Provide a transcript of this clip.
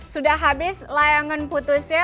sudah habis layangan putusnya